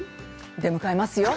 出迎えますよ